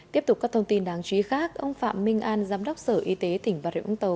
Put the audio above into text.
tiếp tục các thông tin đáng chú ý khác ông phạm minh an giám đốc sở y tế tỉnh bà rịa úng tàu